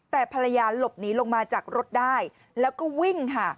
แต่ภรรยาหลบหนีลงมาจากรถได้แล้วก็วิ่งค่ะ